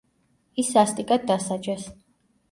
ის სასტიკად დასაჯეს.